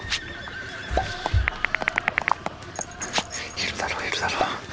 いるだろいるだろ。